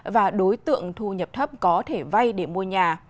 và đối tượng thu nhập thấp có thể vay để mua nhà